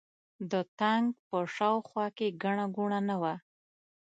د تانک په شا او خوا کې ګڼه ګوڼه نه وه.